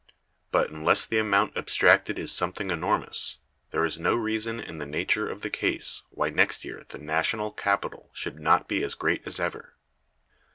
But, unless the amount abstracted is something enormous, there is no reason in the nature of the case why next year the national capital should not be as great as ever.